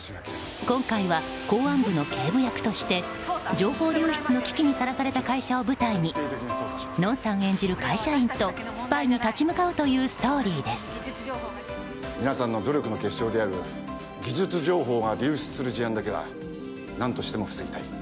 今回は公安部の警部役として情報流出の危機にさらされた会社を舞台にのんさん演じる会社員とスパイに立ち向かうという皆さんの努力の結晶である技術情報が流出する事案だけは何としても防ぎたい。